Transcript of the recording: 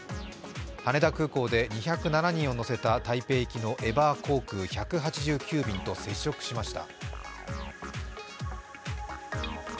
羽田空港で２０７人を乗せた台北行きのエバー航空１８９便と接触しました。